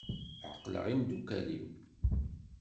Ɛeqleɣ imeddukal-iw.